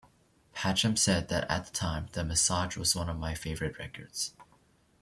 Padgham said that "At the time "The Message" was one of my favorite records".